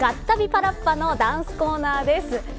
パラッパ！のダンスコーナーです。